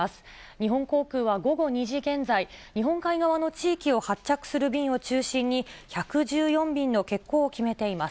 日本航空は午後２時現在、日本海側の地域を発着する便を中心に、１１４便の欠航を決めています。